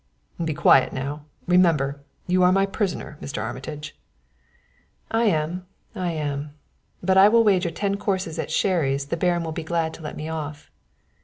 "Be quiet, now! Remember, you are my prisoner, Mr. Armitage." "I am, I am! But I will wager ten courses at Sherry's the Baron will be glad to let me off."